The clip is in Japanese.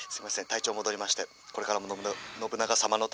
体調戻りましてこれからもの信長様のために」。